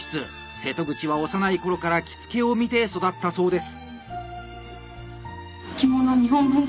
瀬戸口は幼い頃から着付を見て育ったそうです。